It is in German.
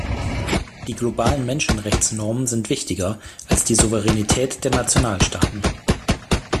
Die globalen Menschenrechtsnormen sind wichtiger als die Souveränität der Nationalstaaten.